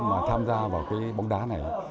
mà tham gia vào cái bóng đá này